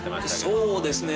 そうですね